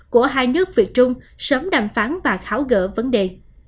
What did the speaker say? của hai nước việt trung sớm đàm phán và tháo gỡ vấn đề